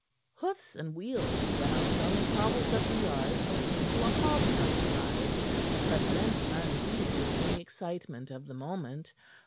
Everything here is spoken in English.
Hoofs and wheels ground on the cobbles of the yard and came to a halt outside, but went unheeded in the excitement of the moment.